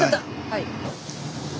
はい。